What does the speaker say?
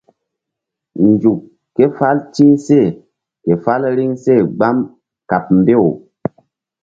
Nzukri ké fál ti̧h seh ke fál riŋ seh gbam kaɓ mbew.